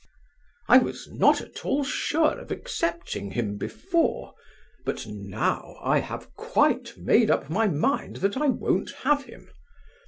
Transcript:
I was not at all sure of accepting him before, but now I have quite made up my mind that I won't have him.